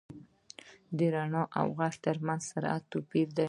• د رڼا او ږغ تر منځ سرعت توپیر لري.